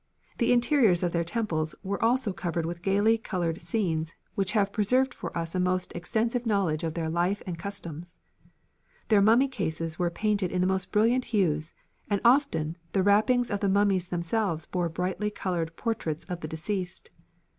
The interiors of their temples were also covered with gayly coloured scenes which have preserved for us a most extensive knowledge of their life and customs. Their mummy cases were painted in the most brilliant hues, and often the wrappings of the mummies themselves bore brightly coloured portraits of the deceased.